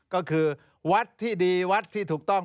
ก็คือวัดที่ดีวัดที่ถูกต้อง